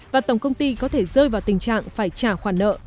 và tổng công ty có thể rơi vào tình trạng phải trả khoản nợ